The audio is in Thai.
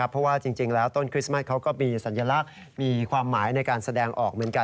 เพราะว่าต้นคริสต์เขาก็มีสัญลักษณ์มีความหมายในการแสดงออก